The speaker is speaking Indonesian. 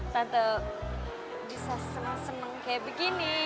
tante bisa seneng seneng kayak begini